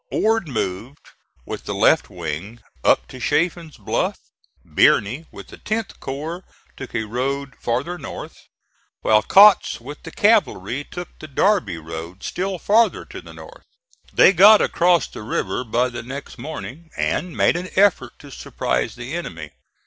Ord moved with the left wing up to Chaffin's Bluff; Birney with the 10th corps took a road farther north; while Kautz with the cavalry took the Darby road, still farther to the north. They got across the river by the next morning, and made an effort to surprise the enemy.